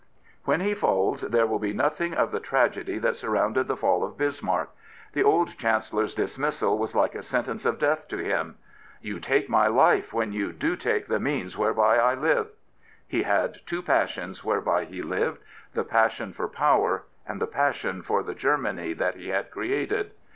When he falls there will be nothing of the tragedy that surrounded the fall of Bismarck. The old Chancellor's dismissal was like a sentence of death to him. " You take my life when you do take the means whereby I live." He had two passions whereby he lived — the passion for power and the passion for the Germany that he had created.